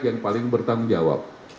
yang paling bertanggung jawab